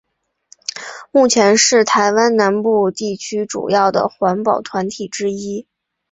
目前是台湾南部地区主要的环保团体之一。